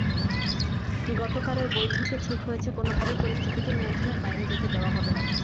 গতকালের বৈঠকে ঠিক হয়েছে, কোনোভাবেই পরিস্থিতিকে নিয়ন্ত্রণের বাইরে যেতে দেওয়া হবে না।